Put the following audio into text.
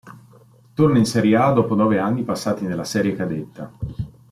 Torna in Serie A dopo nove anni passati nella serie cadetta.